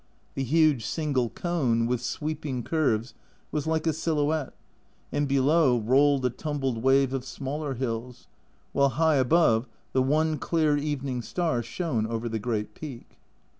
The huge single cone, with sweeping curves, was like a silhouette, and below rolled a tumbled wave of smaller hills, while high above the one clear evening star shone over the great peak.